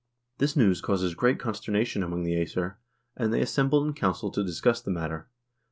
This news causes great consternation among the iEsir, and they assemble in council to discuss the matter.